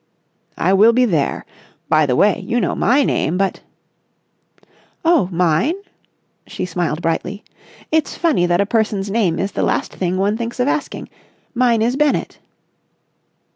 "I will be there. By the way, you know my name, but...." "Oh, mine?" She smiled brightly. "It's funny that a person's name is the last thing one thinks of asking. Mine is Bennett."